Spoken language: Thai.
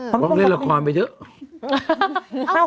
ต้องเล่นละครไปเถอะ